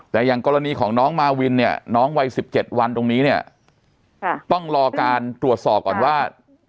แต่อย่างกรณีของน้องมาวินเนี่ยน้องวัย๑๗วันตรงนี้เนี่ยต้องรอการตรวจสอบก่อนว่า